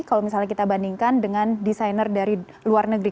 kalau misalnya kita bandingkan dengan desainer dari luar negeri